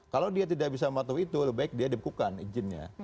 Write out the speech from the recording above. kalau dia tidak bisa mematuhi itu lebih baik dia dibekukan izinnya